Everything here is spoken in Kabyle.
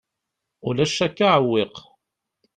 Ulac akk aɛewwiq.